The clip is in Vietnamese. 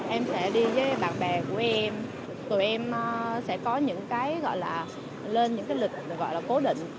em sẽ đi với bạn bè của em tụi em sẽ có những cái gọi là lên những cái lịch gọi là cố định